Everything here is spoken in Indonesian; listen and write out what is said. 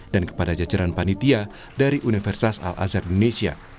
dan kepada jajaran panitia dari universitas al azhar indonesia